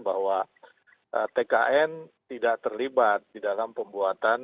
bahwa tkn tidak terlibat di dalam pembuatan